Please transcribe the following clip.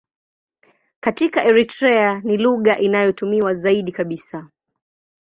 Katika Eritrea ni lugha inayotumiwa zaidi kabisa.